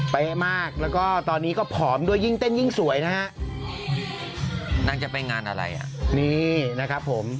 มากแล้วก็ตอนนี้ก็ผอมด้วยยิ่งเต้นยิ่งสวยนะฮะนางจะไปงานอะไรอ่ะนี่นะครับผม